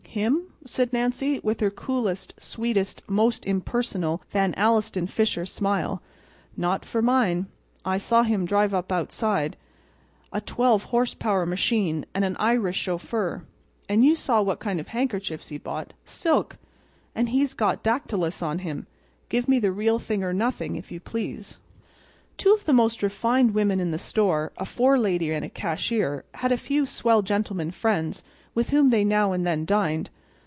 "Him?" said Nancy, with her coolest, sweetest, most impersonal, Van Alstyne Fisher smile; "not for mine. I saw him drive up outside. A 12 H. P. machine and an Irish chauffeur! And you saw what kind of handkerchiefs he bought—silk! And he's got dactylis on him. Give me the real thing or nothing, if you please." Two of the most "refined" women in the store—a forelady and a cashier—had a few "swell gentlemen friends" with whom they now and then dined.